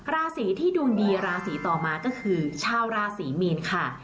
ราศีที่ดวงดีราศีต่อมาก็คือชาวราศีมีนค่ะ